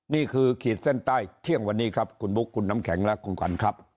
ขีดเส้นใต้เที่ยงวันนี้ครับคุณบุ๊คคุณน้ำแข็งและคุณขวัญครับ